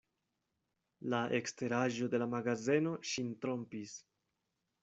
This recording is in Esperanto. La eksteraĵo de la magazeno ŝin trompis.